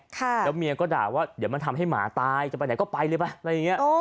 แล้วเมียก็ด่าว่าเดี๋ยวมันทำให้หมาตายจะไปไหนก็ไปเลยไปอะไรอย่างนี้